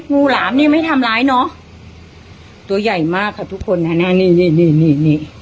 หลามนี่ไม่ทำร้ายเนอะตัวใหญ่มากค่ะทุกคนฮะนะนี่นี่นี่นี่